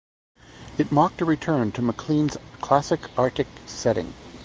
It marked a return to MacLean's classic Arctic setting.